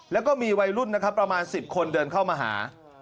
แล้วก็มีวัยรุ่นนะครับประมาณ๑๐คนเดินเข้ามาหา